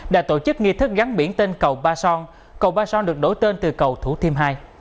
đã tổ chức nghi thức gắn biển tên cầu ba son cầu ba son được đổi tên từ cầu thủ thiêm hai